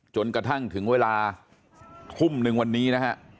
จนกระทั่งถึงเวลาทุ่มหนึ่งวันนี้นะฮะ